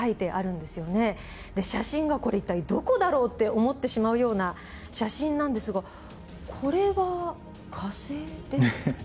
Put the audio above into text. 写真が「これ一体どこだろう？」って思ってしまうような写真なんですがこれは火星ですか？